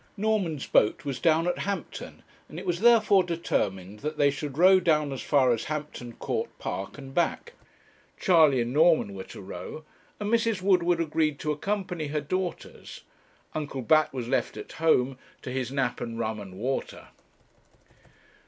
Norman's boat was down at Hampton, and it was therefore determined that they should row down as far as Hampton Court Park and back. Charley and Norman were to row; and Mrs. Woodward agreed to accompany her daughters. Uncle Bat was left at home, to his nap and rum and water.